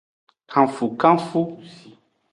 Kanfukanfu.